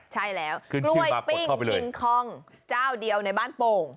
ใช่แล้วกล้วยปิ้งคิงคองเจ้าเดียวในบ้านโป่ง